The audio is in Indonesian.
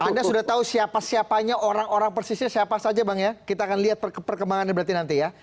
anda sudah tahu siapa siapanya orang orang persisnya siapa saja bang ya kita akan lihat perkembangannya berarti nanti ya